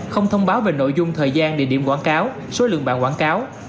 không thông báo về nội dung thời gian địa điểm quảng cáo số lượng bản quảng cáo